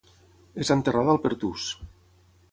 És enterrada al Pertús.